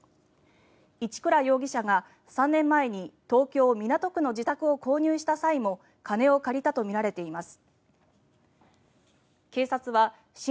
一倉容疑者が３年前に東京・港区の自宅を購入した際も金を借りたとみられています。